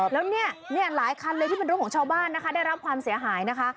แล้วเนี่ยหลายคันเลยที่เป็นรถของชาวบ้านนะคะได้รับความเสียหายนะคะ